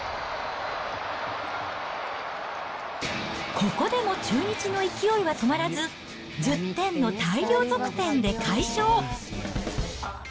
ここでも中日の勢いは止まらず、１０点の大量得点で快勝。